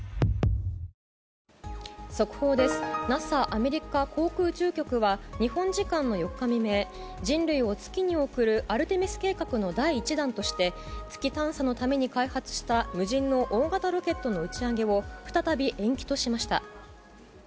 ＮＡＳＡ・アメリカ航空宇宙局は、日本時間の４日未明、人類を月に送るアルテミス計画の第１弾として、月探査のために開発した無人の大型ロケットの打ち上げを再び延期としました。